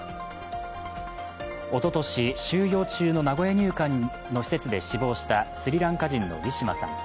おととし、収容中の名古屋入管の施設で死亡したスリランカ人のウィシュマさん。